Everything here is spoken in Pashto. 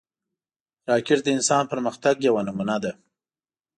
راکټ د انسان پرمختګ یوه نمونه ده